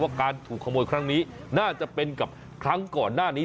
การถูกขโมยครั้งนี้น่าจะเป็นกับครั้งก่อนหน้านี้